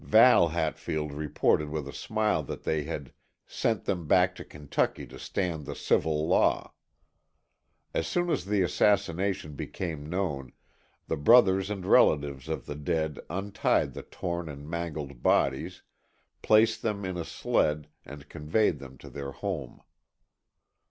Val Hatfield replied with a smile that they had "sent them back to Kentucky to stand the civil law." As soon as the assassination became known, the brothers and relatives of the dead untied the torn and mangled bodies, placed them in a sled and conveyed them to their home.